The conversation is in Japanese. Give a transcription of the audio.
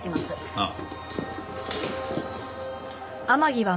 ああ。